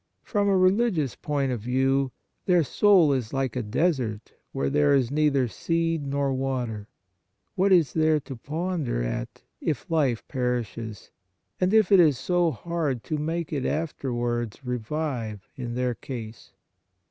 From a religious point of view, their soul is like a desert where there is neither seed nor water ; what is there to wonder at if life perishes, and if it in On the Exercises of Piety is so hard to make it afterwards revive in their case